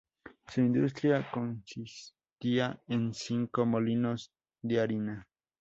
Su industria consistía en cinco molinos de harina.